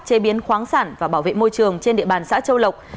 chế biến khoáng sản và bảo vệ môi trường trên địa bàn xã châu lộc